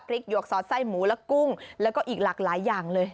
หยวกสอดไส้หมูและกุ้งแล้วก็อีกหลากหลายอย่างเลย